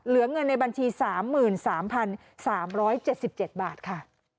เหลือเงินในบัญชี๓๓๗๗บาทค่ะ